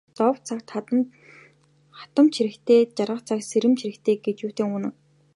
Зовох цагт хатамж хэрэгтэй, жаргах цагт сэрэмж хэрэгтэй гэж юутай үнэн.